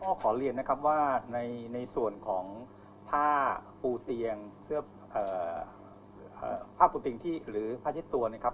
ขอเรียนนะครับว่าในส่วนของผ้าปูเตียงเสื้อผ้าปูเตียงที่หรือผ้าเช็ดตัวนะครับ